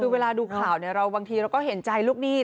คือเวลาดูข่าวบางทีเราก็เห็นใจลูกหนี้